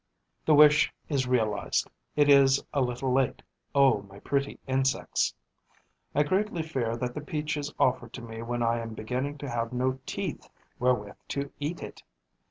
The wish is realized. It is a little late, O my pretty insects! I greatly fear that the peach is offered to me when I am beginning to have no teeth wherewith to eat it.